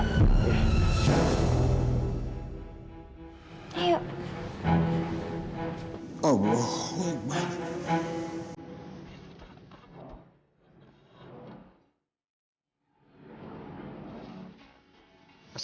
saat ripadanya teman teman ke computational